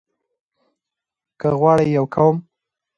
که غواړئ يو قوم